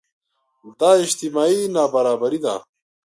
دا اجتماعي نابرابري ده.